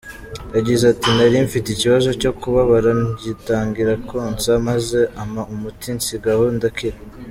Yagize ati “Nari mfite ikibazo cyo kubabara ngitangira konsa, maze ampa umuti nsigaho ndakira.